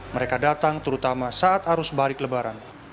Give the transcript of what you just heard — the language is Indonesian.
mereka datang terutama saat arus balik lebaran